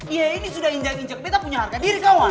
iya ini sudah injak injak kita punya harga diri kamu